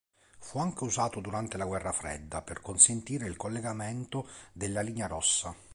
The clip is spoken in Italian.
Fu anche usato durante la Guerra Fredda per consentire il collegamento della Linea rossa.